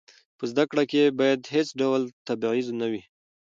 په زده کړه کې باید هېڅ ډول تبعیض نه وي.